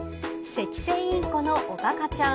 セキセイインコのおかかちゃん。